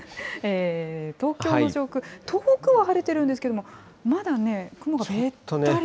東京の上空、遠くは晴れてるんですけれども、まだね、雲がべっとり。